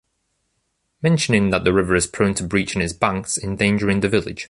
Mentioning that the river is prone to breaching its banks, endangering the village.